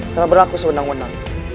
telah berlaku sewenang wenang